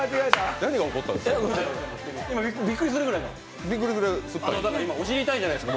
何が起こったんですか？